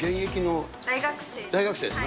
大学生です。